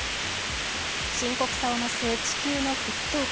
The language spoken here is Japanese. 深刻さを増す地球の沸騰化。